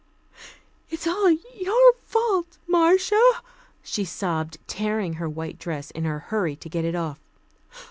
"It's all your fault, Marcia," she sobbed, tearing her white dress in her hurry to get it off.